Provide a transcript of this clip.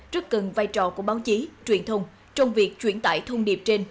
rất cần vai trò của báo chí truyền thông trong việc chuyển tải thông điệp trên